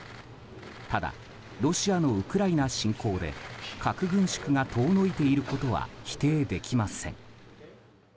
ただ、ロシアのウクライナ侵攻で核軍縮が遠のいていることは否定できません。